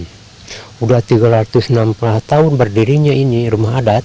sudah tiga ratus enam puluh tahun berdirinya ini rumah adat